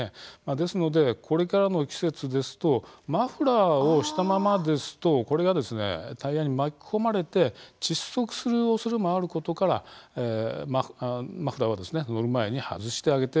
ですので、これからの季節ですとマフラーをしたままですとこれがタイヤに巻き込まれて窒息するおそれもあることからマフラーは乗る前に外してあげてほしいと思います。